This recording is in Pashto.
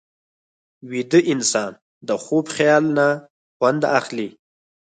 ویده انسان د خوب خیال نه خوند اخلي